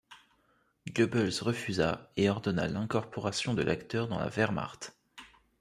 Goebbels refusa et ordonna l'incorporation de l'acteur dans la Wehrmacht.